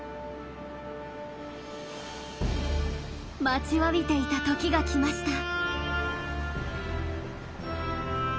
待ちわびていた時が来ました。